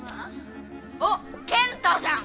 あっ健太じゃん。